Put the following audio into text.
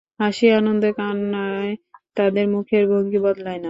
হাসি আনন্দে কান্নায় তাদের মুখের ভঙ্গি বদলায় না।